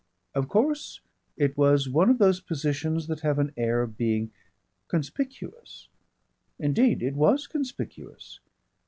Of course it was one of those positions that have an air of being conspicuous. Indeed it was conspicuous.